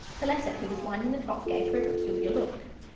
Perletta, who was winding the clock, gave her a peculiar look.